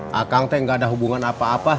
kakak nggak ada hubungan apa apa sama yati yun